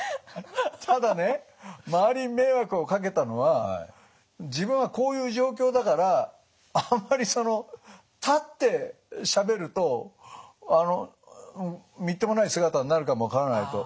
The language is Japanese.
ただね周りに迷惑をかけたのは自分はこういう状況だからあんまりその立ってしゃべるとみっともない姿になるかも分からないと。